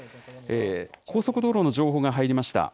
高速道路の情報が入りました。